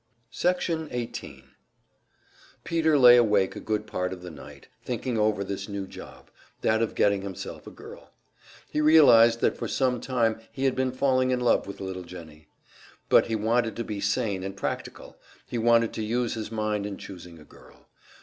Section 18 Peter lay awake a good part of the night, thinking over this new job that of getting himself a girl. He realized that for some time he had been falling in love with little Jennie; but he wanted to be sane and practical, he wanted to use his mind in choosing a girl.